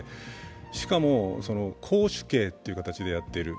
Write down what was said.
しかも絞首刑という形でやっている。